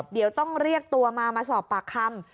เดี๋ยวต้องเรียกตัวมามาสอบปากคำ